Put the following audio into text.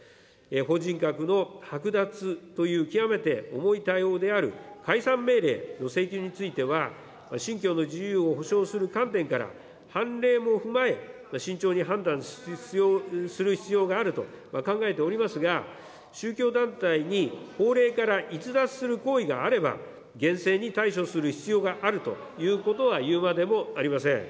法人格の剥奪という極めて重い対応である解散命令の請求については、信教の自由を保障する観点から、判例も踏まえ、慎重に判断する必要があると考えておりますが、宗教団体に法令から逸脱する行為があれば、厳正に対処する必要があるということは言うまでもありません。